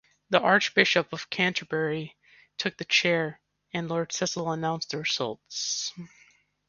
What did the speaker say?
The Archbishop of Canterbury took the Chair and Lord Cecil announce the results.